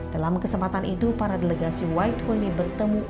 dalam kesempatan itu para delegasi y dua puluh bertemu